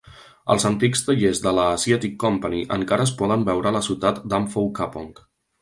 Els antics tallers de la Asiatic Company encara es poden veure a la ciutat d'Amphoe Kapong.